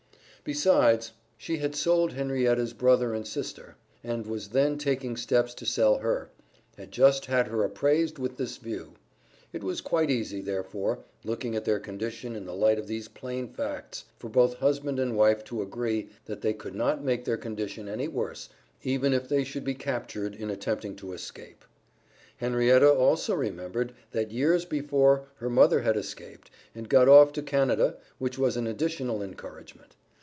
Besides, she had sold Henrietta's brother and sister, and was then taking steps to sell her, had just had her appraised with this view. It was quite easy, therefore, looking at their condition in the light of these plain facts, for both husband and wife to agree, that they could not make their condition any worse, even if they should be captured in attempting to escape. Henrietta also remembered, that years before her mother had escaped, and got off to Canada, which was an additional encouragement.